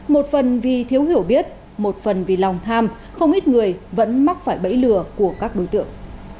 một phần vì thiếu hiểu biết một phần vì lòng tham không ít người vẫn mắc phải bẫy lừa của các đối tượng